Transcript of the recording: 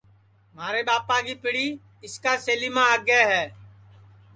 مھارے ٻاپا کی پِڑی اِسکا سیلیما آگے ہے